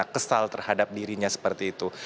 kesal terhadap dirinya seperti itu